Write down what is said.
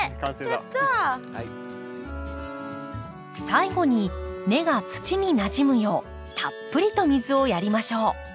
最後に根が土になじむようたっぷりと水をやりましょう。